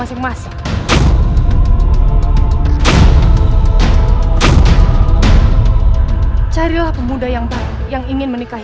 sumpah seorang raja besar